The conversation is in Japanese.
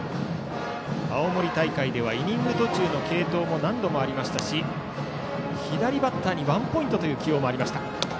青森大会ではイニング途中の継投が何度もありましたし左バッターにワンポイントという起用もありました。